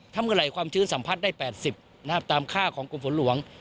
ถ้าเมื่อไหร่ความชื้นสัมผัสได้๘๐ตามค่าของกรมฝนหลวง